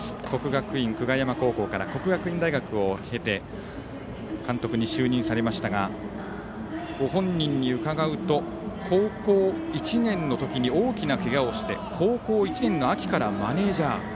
国学院久我山高校から国学院大学を経て監督に就任されましたがご本人に伺うと高校１年のときに大きなけがをして高校１年の秋からマネージャー。